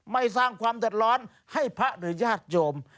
สร้างความเดือดร้อนให้พระหรือญาติโยม